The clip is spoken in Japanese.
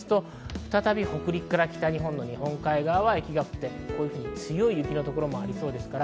再び北陸から北日本の日本海側は雪が降って、強い雪の所もありそうです。